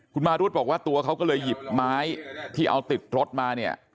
คุณมารุธบอกว่าตัวเขาก็เลยหยิบไม้ที่เอาติดรถมาเนี่ย